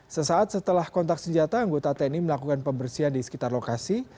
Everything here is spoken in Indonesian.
sesaat setelah kontak senjata anggota tni melakukan pembersihan di sekitar lokasi